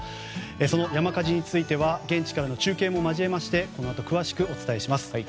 その山火事については現地からの中継を交えましてこのあと詳しくお伝えします。